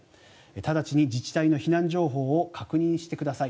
直ちに自治体の避難情報を確認してください。